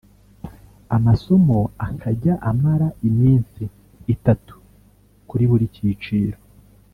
amasomo akajya amara iminsi itatu kuri buri cyiciro